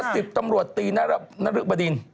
สิบตำรวจตีนรึบดิน